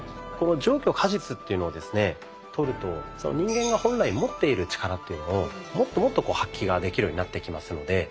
この上虚下実というのをですねとると人間が本来持っている力というのをもっともっと発揮ができるようになってきますので。